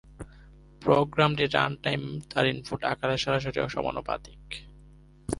প্রোগ্রামটির run-time তার input আকারের সরাসরি সমানুপাতিক।